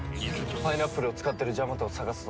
パイナップルを使ってるジャマトを捜すぞ。